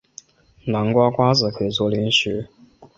南瓜瓜子可以做零食。